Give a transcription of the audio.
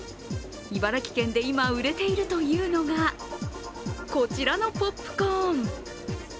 茨城県で今、売れているというのがこちらのポップコーン。